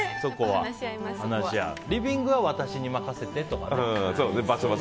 リビングは私に任せてとかね。